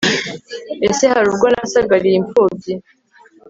ese hari ubwo nasagariye impfubyi